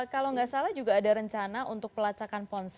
kalau enggak salah juga ada rencana untuk pelacakan polisi